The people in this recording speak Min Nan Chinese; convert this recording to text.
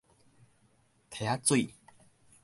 䖳仔水